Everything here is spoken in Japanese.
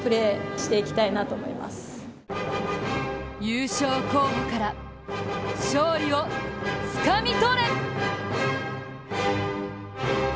優勝候補から勝利をつかみとれ。